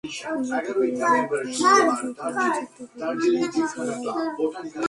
খুলনা থেকে relief train এনে দ্রুত লাইনচ্যুত বগি ওঠানোর কাজ শুরু হয়।